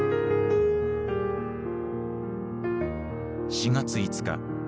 ４月５日。